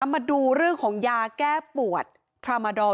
มาดูเรื่องของยาแก้ปวดพรามาดอร์